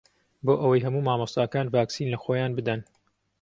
بۆ ئەوەی هەموو مامۆستاکان ڤاکسین لەخۆیان بدەن.